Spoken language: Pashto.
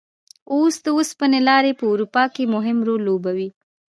اوس د اوسپنې لارې په اروپا کې مهم رول لوبوي.